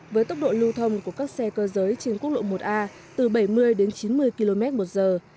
với tốc độ lưu thông của các xe cơ giới trên quốc lộ một a từ bảy mươi đến chín mươi km một giờ